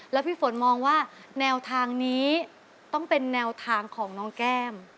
แล้วพี่ฝนมองว่าแนวทางนี้ต้องเป็นแนวทางของน้องแก้ม